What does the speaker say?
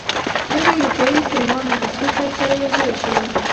دا د اروپایي استعمار له رسمي پیل سره یو ځای شول.